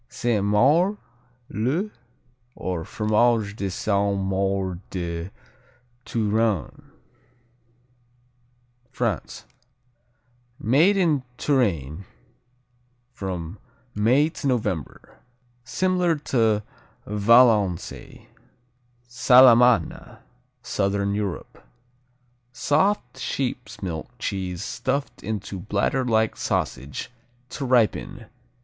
Sainte Maure, le, or Fromage de Sainte Maure de Touraine France Made in Touraine from May to November. Similar to Valençay. Salamana Southern Europe Soft sheep's milk cheese stuffed into bladderlike sausage, to ripen.